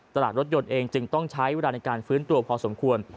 ตลาดรถยนต์เองจึงต้องใช้เวลาในการฟื้นตัวพอสมควร